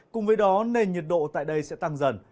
cùng với đó nền nhiệt độ tại đây sẽ tăng dần